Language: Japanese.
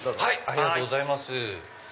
ありがとうございます。